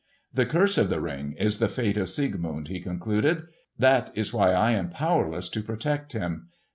"The curse of the Ring is the fate of Siegmund," he concluded. "That is why I am powerless to protect him.